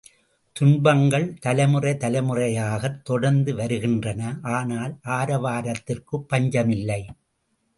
துன்பங்கள் தலைமுறை தலைமுறையாகத் தொடர்ந்து வருகின்றன ஆனால் ஆரவாரத்திற்குப் பஞ்சமில்லை!